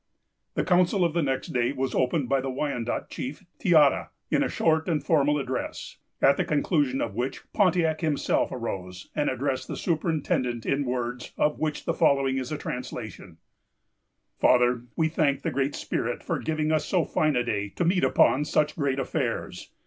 The council of the next day was opened by the Wyandot chief, Teata, in a short and formal address; at the conclusion of which Pontiac himself arose, and addressed the superintendent in words, of which the following is a translation: "Father, we thank the Great Spirit for giving us so fine a day to meet upon such great affairs.